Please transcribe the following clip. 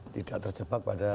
tidak terjebak pada